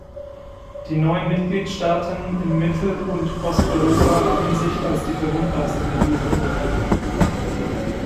Die neuen Mitgliedstaaten in Mittelund Osteuropa haben sich als die verwundbarsten erwiesen.